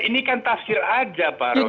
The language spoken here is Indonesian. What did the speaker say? ya ini kan tafsir aja pak roky